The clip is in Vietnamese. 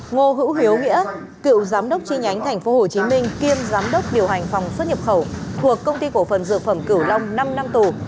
ngô hữu hiếu nghĩa cựu giám đốc chi nhánh tp hcm kiêm giám đốc điều hành phòng xuất nhập khẩu thuộc công ty cổ phần dược phẩm cửu long năm năm tù